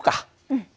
うん。